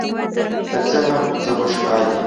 که څه هم، زه خوشحال یم.